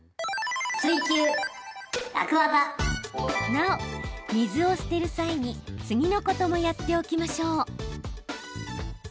なお、水を捨てる際に次のこともやっておきましょう。